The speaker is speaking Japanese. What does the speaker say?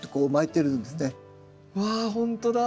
わほんとだ。